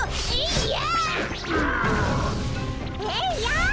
いや。